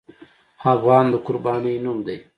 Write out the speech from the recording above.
افغان د قربانۍ نوم دی.